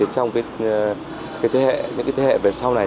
trong thế hệ về sau này